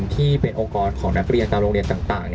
ที่เป็นองค์กรของนักเรียนตามโรงเรียนต่าง